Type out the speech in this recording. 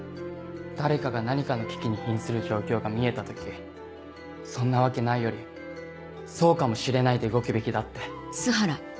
誰かが何かの危機にひんする状況が見えた時「そんなわけない」より「そうかもしれない」で動くべきだって。